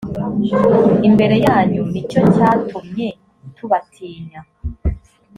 imbere yanyu ni cyo cyatumye tubatinya